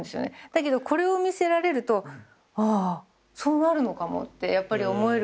だけどこれを見せられるとああそうなるのかもってやっぱり思えるから。